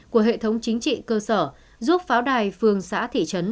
của hệ thống chính trị cơ sở giúp pháo đài phường xã thị trấn